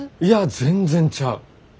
いや全然ちゃう。